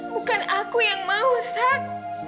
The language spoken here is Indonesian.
bukan aku yang mau sak